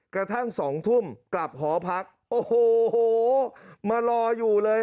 กระทั่ง๒ทุ่มกลับหอพักโอ้โหมารออยู่เลย